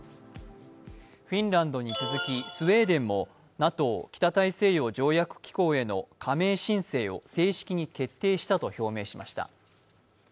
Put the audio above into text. フィンランドに続きスウェーデンもＮＡＴＯ＝北大西洋条約機構への加盟申請を正式に決定したと表明しました。